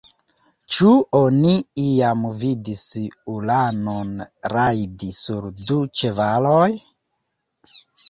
Ĉu oni iam vidis ulanon rajdi sur du ĉevaloj!?